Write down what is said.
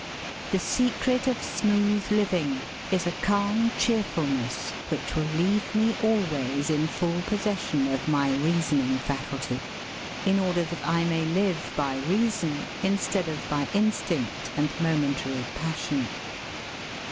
The secret of smooth living is a calm cheerfulness which will leave me always in full possession of my reasoning faculty in order that I may live by reason instead of by instinct and momentary passion.